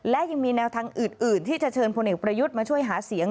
และยังมีแนวทางอื่นที่จะเชิญพลเอกประยุทธ์มาช่วยหาเสียง